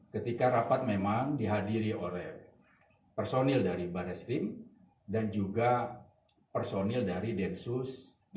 ketika rapat memang dihadiri oleh personil dari bareskrim dan juga personil dari densus delapan puluh